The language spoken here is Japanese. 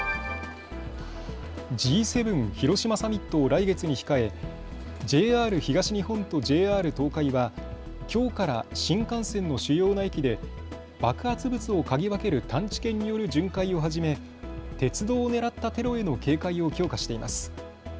Ｇ７広島サミットを来月に控えＪＲ東日本とＪＲ東海はきょうから新幹線の主要な駅で爆発物を嗅ぎ分ける探知犬による巡回を始め鉄道を狙ったテロへの警戒を強化しています。